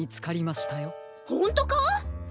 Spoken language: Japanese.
ほんとか？